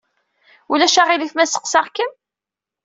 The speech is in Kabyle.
Ulac aɣilif ma sseqsaɣ-kem?